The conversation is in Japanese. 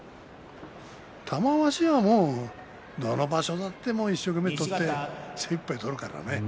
玉鷲はもうどんな場所であっても一生懸命取って精いっぱい取るからね。